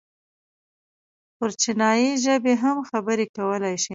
پر چينايي ژبې هم خبرې کولی شي.